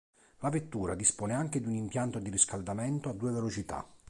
La vettura dispone anche di un impianto di riscaldamento a due velocità.